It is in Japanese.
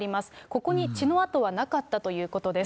ここに血の跡はなかったということです。